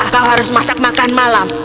kau harus masak makan malam